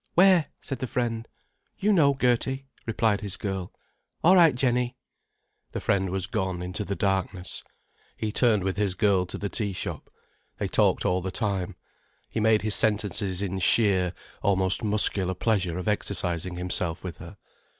"Where?" said the friend. "You know, Gertie," replied his girl. "All right, Jennie." The friend was gone into the darkness. He turned with his girl to the tea shop. They talked all the time. He made his sentences in sheer, almost muscular pleasure of exercising himself with her.